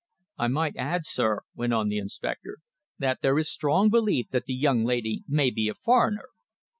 "I might add, sir," went on the inspector, "that there is strong belief that the young lady may be a foreigner.